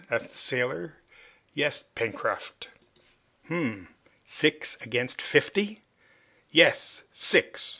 asked the sailor. "Yes, Pencroft." "Hum! six against fifty!" "Yes! six!